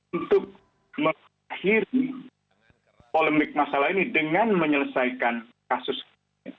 untuk mengakhiri polemik masalah ini dengan menyelesaikan kasus ini